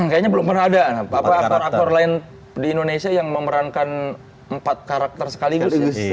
kayaknya belum pernah ada aktor aktor lain di indonesia yang memerankan empat karakter sekaligus